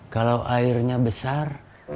kalau airnya besar